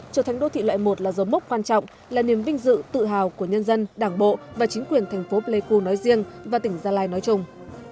trở thành đô thị loại một là dấu mốc quan trọng là niềm vinh dự tự hào của nhân dân đảng bộ và chính quyền thành phố pleiku nói riêng và tỉnh gia lai nói chung